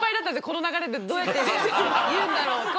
この流れでどうやって言うんだろうって。